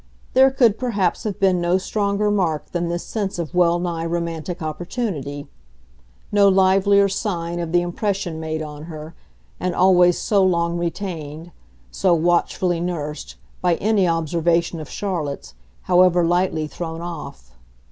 There could perhaps have been no stronger mark than this sense of well nigh romantic opportunity no livelier sign of the impression made on her, and always so long retained, so watchfully nursed, by any observation of Charlotte's, however lightly thrown off.